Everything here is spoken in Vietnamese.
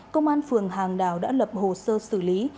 công an phường hàng đào đã lập hồ sơ xử lý